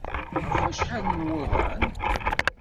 Ɣef wacḥal n wuḍan?